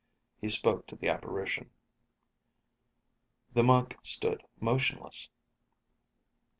He spoke to the apparition. The monk stood motionless.